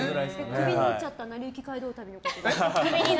クビになっちゃった「なりゆき街道旅」。